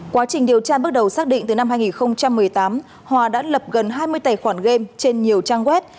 quá trình điều tra bước đầu xác định từ năm hai nghìn một mươi tám hòa đã lập gần hai mươi tài khoản game trên nhiều trang web